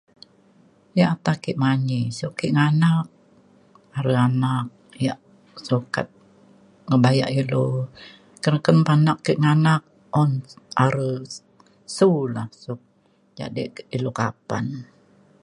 yak ata ke manyi sio ke nganak are anak yak sukat ngebayak ilu meken meken anak ke nganak un are su lan su jadek ilu kapan.